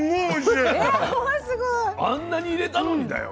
あんなに入れたのにだよ。